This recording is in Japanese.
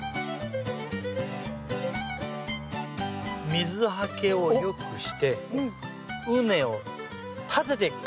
水はけを良くして畝を立てて。